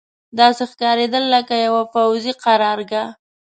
داسې ښکارېدل لکه یوه پوځي قرارګاه.